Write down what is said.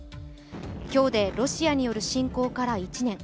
今日でロシアによる侵攻から１年。